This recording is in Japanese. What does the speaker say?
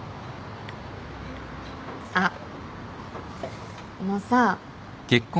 あっあのさ。